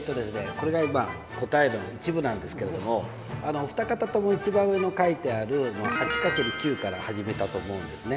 これが今答えの一部なんですけれどもお二方とも一番上の書いてある「８×９」から始めたと思うんですね。